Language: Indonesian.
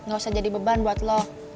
gak usah jadi beban buat lo